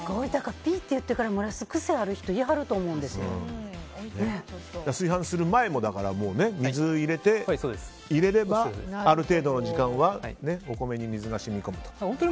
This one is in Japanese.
ピーって言ってから蒸らす癖ある人炊飯する前も水入れればある程度の時間はお米に水が染み込むと。